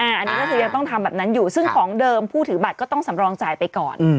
อันนี้ก็คือยังต้องทำแบบนั้นอยู่ซึ่งของเดิมผู้ถือบัตรก็ต้องสำรองจ่ายไปก่อน